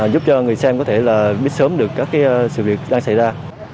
giúp cho người xem có thể là biết sớm được các sự việc đang xảy ra